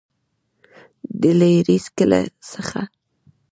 دلیري کلي څخه